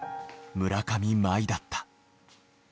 村上茉愛だった。